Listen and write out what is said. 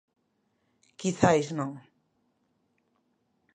Quizais non.